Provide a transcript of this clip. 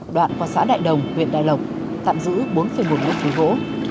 đoạn qua xã đại đồng huyện đài lộc tạm giữ bốn một lúc thủy gỗ